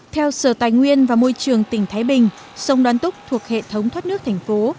theo sở tài nguyên và môi trường tỉnh thái bình sông đoan túc thuộc hệ thống thoát nước thành phố